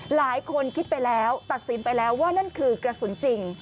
หลายคนคิดไปแล้วตัดสินไปแล้วว่านั่นคือกระสุนจริง